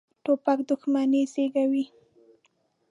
توپک دښمني زېږوي.